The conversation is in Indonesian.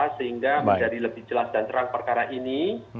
sehingga menjadi lebih jelas dan terang perkara ini